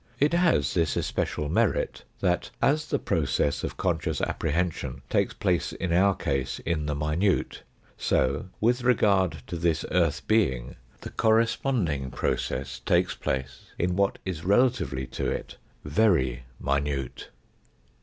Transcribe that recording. It has this especial merit, that, as the process of conscious apprehension takes place in our case in the minute, so, with regard to this earth being, the corresponding process takes place in what is relatively to it very minute.